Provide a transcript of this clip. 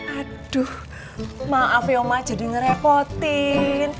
aduh maaf ya oma jadi ngerepotin